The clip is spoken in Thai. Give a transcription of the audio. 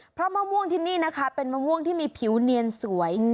เพราะมะม่วงที่นี่นะคะเป็นมะม่วงที่มีผิวเนียนสวย